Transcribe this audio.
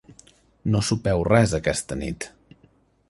No sopeu res aquesta nit.